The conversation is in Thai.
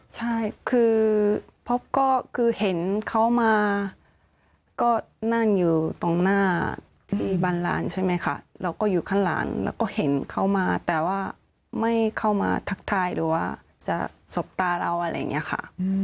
ใช่คือพบก็คือเห็นเขามาก็นั่งอยู่ตรงหน้าที่บ้านหลานใช่ไหมคะเราก็อยู่ข้างหลังแล้วก็เห็นเขามาแต่ว่าไม่เข้ามาทักทายหรือว่าจะสบตาเราอะไรอย่างนี้ค่ะ